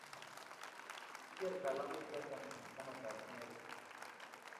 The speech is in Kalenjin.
kikigeer talamoichoto eng komodtab Nyeri